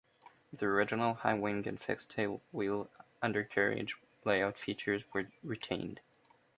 The original high-wing and fixed tailwheel undercarriage layout features were retained.